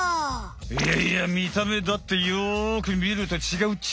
いやいや見た目だってよく見ると違うっち。